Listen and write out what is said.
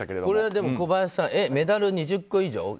これは小林さんメダル２０個以上？